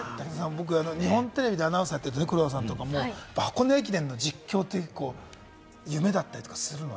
日本テレビでアナウンサーをしていて、黒田さんも箱根駅伝の実況って夢だったりするの？